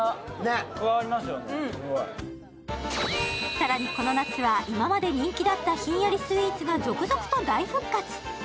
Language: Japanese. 更にこの夏は今まで人気だったひんやりスイーツが続々大復活。